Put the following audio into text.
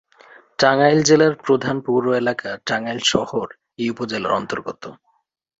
টাঙ্গাইল জেলার প্রধান পৌর এলাকা টাঙ্গাইল শহর এই উপজেলার অন্তর্গত।